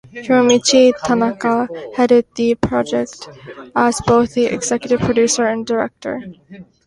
Hiromichi Tanaka headed the project as both the executive producer and director.